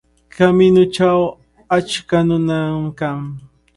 Kamiñuchaw achka nunam kan.